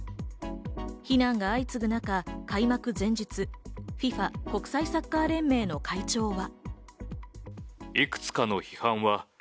非難が相次ぐ中、開幕前日、ＦＩＦＡ＝国際サッカー連盟の会長は。